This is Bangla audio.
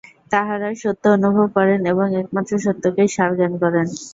তাঁহারা সত্য অনুভব করেন এবং একমাত্র সত্যকেই সার জ্ঞান করেন।